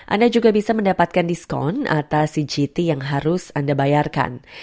anda juga bisa mendapatkan diskon atas cgt yang harus anda bayarkan